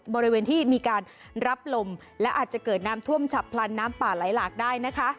บริเวณที่มีการรับลมและอาจจะเกิดน้ำท่วมฉับพลันน้ำป่าไหลหลากได้นะคะ